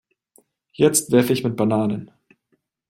Jetzt werfe ich mit Bananen.